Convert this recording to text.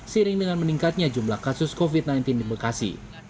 sering dengan meningkatnya jumlah kasus covid sembilan belas di bekasi